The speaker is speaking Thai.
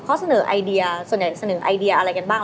เสนอไอเดียส่วนใหญ่เสนอไอเดียอะไรกันบ้าง